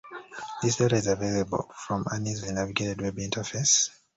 This data is available from an easily navigated web interface.